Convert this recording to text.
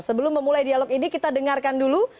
sebelum memulai dialog ini kita dengarkan dulu